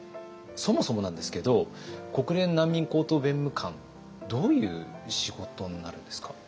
そもそもなんですけど国連難民高等弁務官どういう仕事になるんですか？